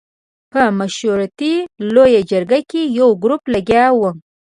په مشورتي لویه جرګه کې یو ګروپ لګیا وو.